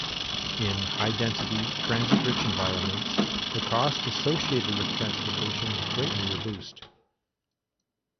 In high density, transit-rich environments, the cost associated with transportation is greatly reduced.